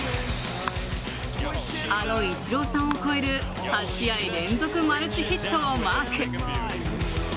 あのイチローさんを超える８試合連続マルチヒットをマーク。